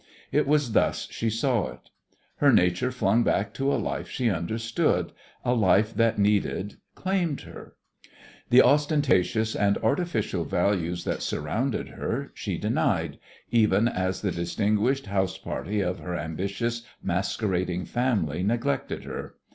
It was thus she saw it. Her nature flung back to a life she understood, a life that needed, claimed her. The ostentatious and artificial values that surrounded her, she denied, even as the distinguished house party of her ambitious, masquerading family neglected her.